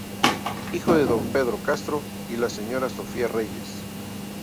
Hijo de don Pedro Castro y la Señora Sofía Reyes.